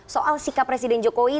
soal sikap presiden jokowi